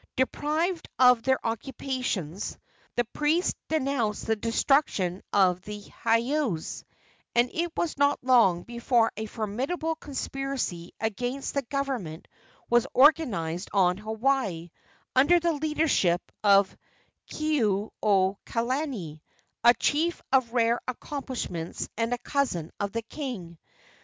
Deprived of their occupations, the priests denounced the destruction of the heiaus, and it was not long before a formidable conspiracy against the government was organized on Hawaii, under the leadership of Kekuaokalani, a chief of rare accomplishments and a cousin of the king.